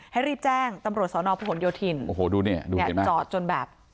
ให้รีบแจ้งตำรวจสอนอพหลโยธินโอ้โหดูเนี่ยดูเห็นไหมจอดจนแบบ